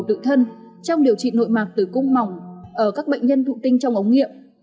tự thân trong điều trị nội mạc tử cung mỏng ở các bệnh nhân thụ tinh trong ống nghiệm